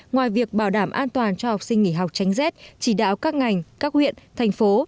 ngoài việc bảo đảm an toàn cho học sinh nghỉ học tránh rét chỉ đạo các ngành các huyện thành phố